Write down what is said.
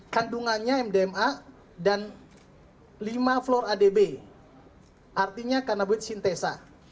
kandungannya mdma dan lima fluor adb artinya kanaboid sintesa